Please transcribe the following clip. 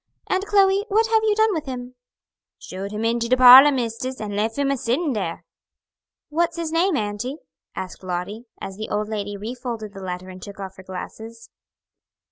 Aunt Chloe, what have you done with him?" "Showed him into de parlor, mistis, and leff him a sittin' dar." "What's his name, auntie?" asked Lottie, as the old lady refolded the letter and took off her glasses.